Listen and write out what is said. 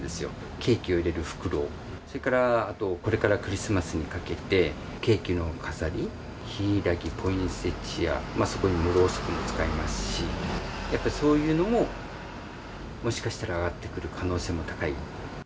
ケーキを入れる袋、それからあと、これからクリスマスにかけて、ケーキの飾り、ヒイラギ、ポインセチア、そこにろうそくも使いますし、やっぱりそういうのも、もしかしたら上がってくる可能性も高い。